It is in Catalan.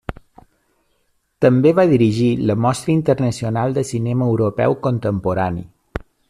També va dirigir la Mostra Internacional de Cinema Europeu Contemporani.